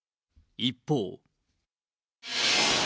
一方。